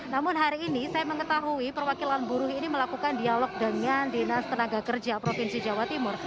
namun hari ini saya mengetahui perwakilan buruh ini melakukan dialog dengan dinas tenaga kerja provinsi jawa timur